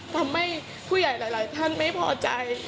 ทำให้ผู้ใหญ่หลายท่านไม่พอใจ